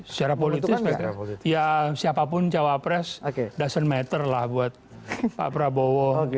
secara politik ya siapapun capres doesn't matter lah buat pak prabowo